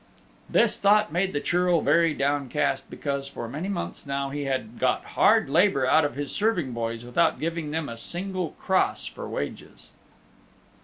This thought made the Churl very downcast, because, for many months now, he had got hard labor out of his serving boys, without giving them a single cross for wages.